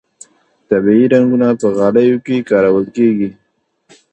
طبیعي رنګونه په غالیو کې کارول کیږي